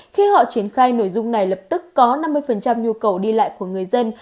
khi họ triển khai nội dung này lập tức có năm mươi nhu cầu đi lại của người dân